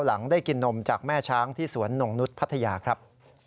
หลังได้กินนมจากแม่ช้างที่สวนหน่งนุษย์พัทยาครับ